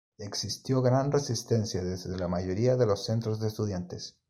Existió gran resistencia desde la mayoría de los centros de estudiantes.